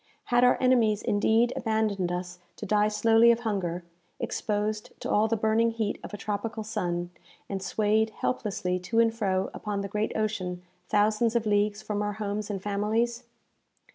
Had our enemies indeed abandoned us to die slowly of hunger, exposed to all the burning heat of a tropical sun, and swayed helplessly to and fro upon the great ocean, thousands of leagues from our homes and families?